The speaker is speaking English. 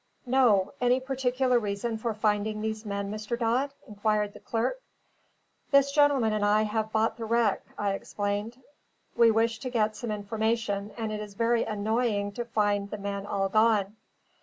"No. Any particular reason for finding these men, Mr. Dodd?" inquired the clerk. "This gentleman and I have bought the wreck," I explained; "we wished to get some information, and it is very annoying to find the men all gone."